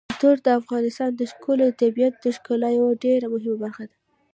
کلتور د افغانستان د ښکلي طبیعت د ښکلا یوه ډېره مهمه برخه ده.